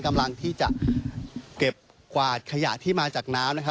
กำลังที่จะเก็บกวาดขยะที่มาจากน้ำนะครับ